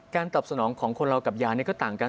ตอบสนองของคนเรากับยานี่ก็ต่างกัน